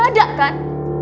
gak ada kan